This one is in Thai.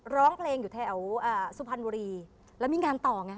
ร้องเพลงอยู่แถวสุพรรณบุรีแล้วมีงานต่อไง